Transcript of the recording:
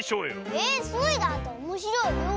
えっスイだっておもしろいよ！